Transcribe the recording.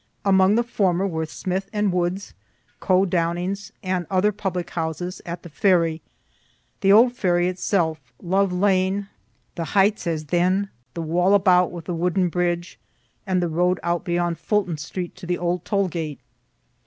Among the former were Smith & Wood's, Coe Downing's, and other public houses at the ferry, the old Ferry itself, Love lane, the Heights as then, the Wallabout with the wooden bridge, and the road out beyond Fulton street to the old toll gate.